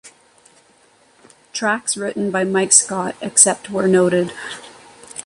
Tracks written by Mike Scott, except where noted.